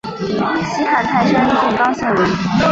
西汉泰山郡刚县人。